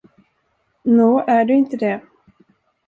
Nå, är du inte det?